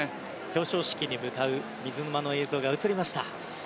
表彰式に向かう水沼の映像が映りました。